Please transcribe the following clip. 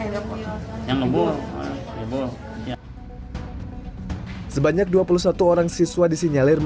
gimana yang ngebul ngebul sebanyak dua puluh satu orang siswa disinyalir